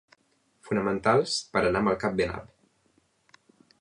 Fonamentals per anar amb el cap ben alt.